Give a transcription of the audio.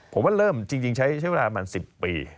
ผมว่าเริ่มจริงใช้เวลาประมาณ๑๐ปี